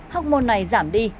học môn này giảm đi